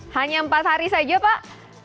hanya empat hari saja pak